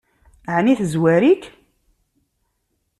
Ɛni tezwar-ik?